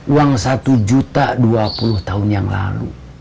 uang satu juta dua puluh tahun yang lalu